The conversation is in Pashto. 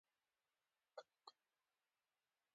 بریالی پلورونکی هیڅکله نه تسلیمېږي.